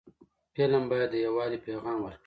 فلم باید د یووالي پیغام ورکړي